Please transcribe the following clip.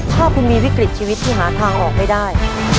ถ้าคุณมีวิกฤตชีวิตที่หาทางออกไม่ได้